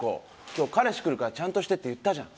今日、彼氏来るからちゃんとしてって言ったじゃん。